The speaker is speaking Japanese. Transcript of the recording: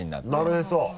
なるへそ。